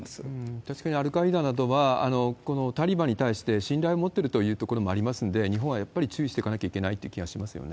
確かにアルカイダなどは、このタリバンに対して信頼を持ってるというところもありますんで、日本はやっぱり注意していかなければいけないという感じですよね。